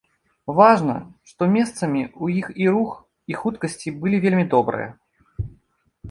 Важна, што месцамі ў іх і рух, і хуткасці былі вельмі добрыя.